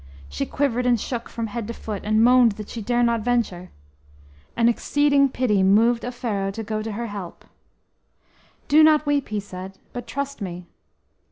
She quivered and shook from head to foot, and moaned that she dare not venture. An exceeding pity moved Offero to go to her help. "Do not weep," he said, "but trust to me."